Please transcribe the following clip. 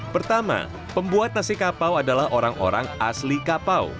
pertama pembuat nasi kapau adalah orang orang asli kapau